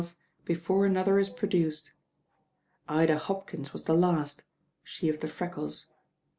uth before another is produced. Ida Hopkins w;. the last, she of the freckles.